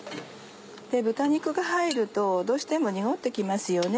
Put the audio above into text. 豚肉が入るとどうしても濁って来ますよね